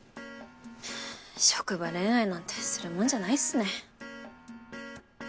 職場恋愛なんてするもんじゃないっすね。